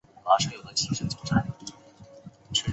首府佛罗伦萨。